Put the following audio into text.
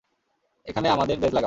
এইখানে আমাদের বেজ লাগাও।